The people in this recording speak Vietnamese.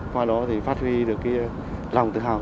qua đó phát huy được lòng tự hào